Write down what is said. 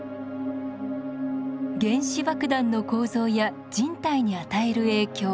原子爆弾の構造や人体に与える影響